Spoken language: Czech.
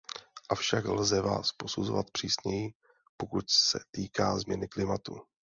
Avšak lze vás posuzovat přísněji, pokud se týká změny klimatu.